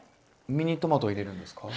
ミニトマトを入れるんですか？